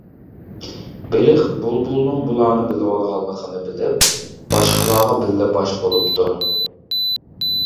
بېلىق بۇلبۇلنىڭ بۇلارنى بىلىۋالغانلىقىنى بىلىپ، باشقىلارغا بىللە باش بولۇپتۇ.